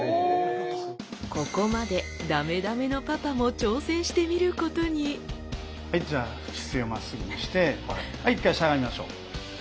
ここまでダメダメのパパも挑戦してみることにじゃあ姿勢をまっすぐにしてはい一回しゃがみましょう。